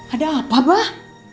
ada apa bah